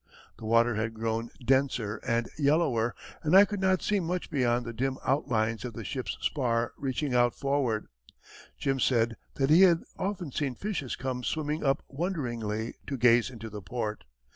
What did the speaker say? The water had grown denser and yellower, and I could not see much beyond the dim outlines of the ship's spar reaching out forward. Jim said that he had often seen fishes come swimming up wonderingly to gaze into the port.